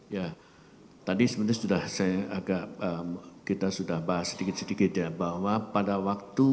ya tadi sebenarnya sudah saya agak kita sudah bahas sedikit sedikit ya bahwa pada waktu